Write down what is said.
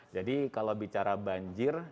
jadi kalau bicara banjir